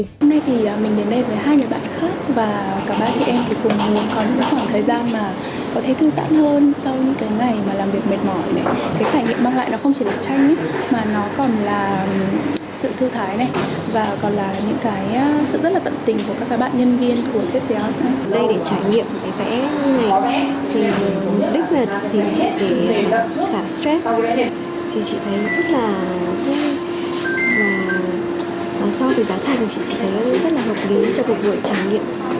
do về giá thành chị chỉ thấy rất là hợp lý cho cuộc vội trải nghiệm để học vẽ như thế này